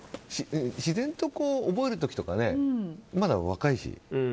自然と覚える時とか、まだ若いし。